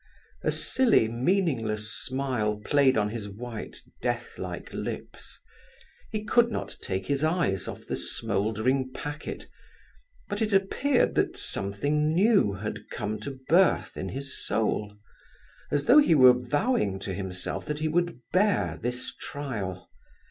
A silly, meaningless smile played on his white, death like lips. He could not take his eyes off the smouldering packet; but it appeared that something new had come to birth in his soul—as though he were vowing to himself that he would bear this trial.